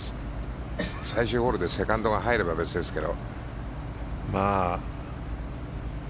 最終ホールでセカンドが入れば別ですけど。